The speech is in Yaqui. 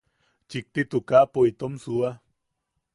Chikti tukapo itom suua.